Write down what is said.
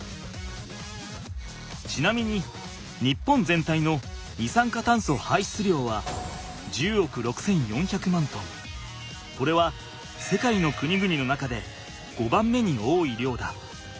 ちなみに日本全体の二酸化炭素排出量はこれは世界の国々の中で５番目に多い量だ。